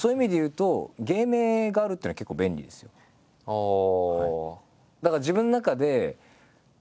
ああ。